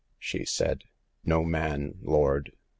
257 "She said, 4 No man, Lord.'